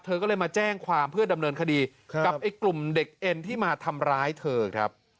เธอก็เลยมาแจ้งความเพื่อดำเนินคดีกับไอ้กลุ่มเด็กเอ็นที่มาทำร้ายเธอครับ